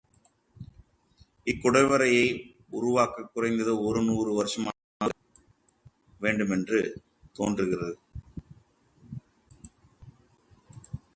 இக்குடைவரையை உரு வாக்கக் குறைந்தது ஒரு நூறு வருஷமாவது ஆகியிருக்க வேண்டுமென்று தோன்றுகிறது.